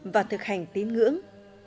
và thực hành tín ngưỡng